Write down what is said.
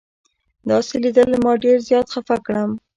داسې لیدل ما ډېر زیات خفه کړم.